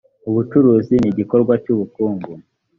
ubucuruzi nigikorwa cyubukungu.